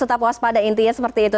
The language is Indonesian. tetap puas pada intinya seperti itu